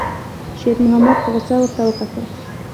شېرمحمد په غوسه ورته وکتل.